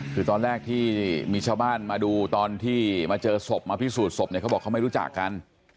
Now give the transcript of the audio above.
คือตอนแรกที่มีชาวบ้านมาดูตอนที่มาเจอศพมาพิสูจนศพเนี่ยเขาบอกเขาไม่รู้จักกัน